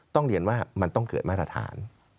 ต้องเรียนว่ามันต้องเกิดมาตรฐาน